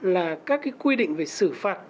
là các quy định về sự phạt